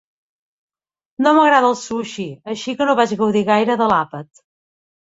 No m'agrada el sushi, així que no vaig gaudir gaire de l'àpat.